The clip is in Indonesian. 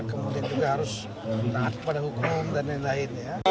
kemudian juga harus taat kepada hukum dan lain lain